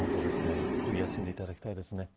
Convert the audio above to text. ゆっくり休んでいただきたいですね。